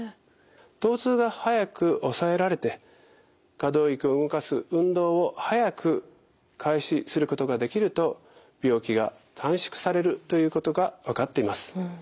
とう痛が早く抑えられて可動域を動かす運動を早く開始することができると病気が短縮されるということが分かっています。